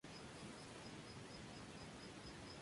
Nivel de control.